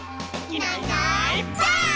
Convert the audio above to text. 「いないいないばあっ！」